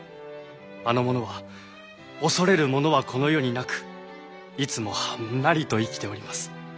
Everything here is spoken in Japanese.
あの者は恐れるものはこの世になくいつもはんなりと生きております。